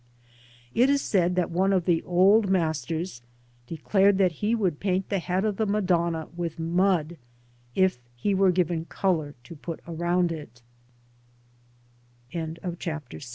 It is said that one of the old / masters declared that he would paint the head of a Madonna with mud, if he were given colour to put ro